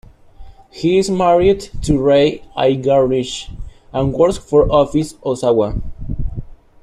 He is married to Rei Igarashi and works for Office Osawa.